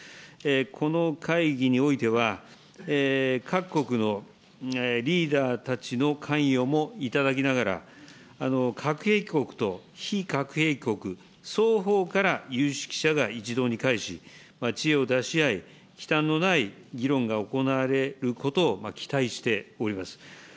この会議においては、各国のリーダーたちの関与も頂きながら、核兵器国と非核兵器国、双方から有識者が一堂に会し、知恵を出し合い、きたんのない議論が行われることを期待しております。